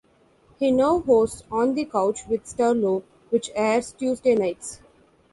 He now hosts "On the Couch with Sterlo" which airs Tuesday nights.